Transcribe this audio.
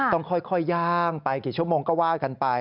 ต้องค่อยย่างไปกี่ชั่วโมงก็ว่ากันไป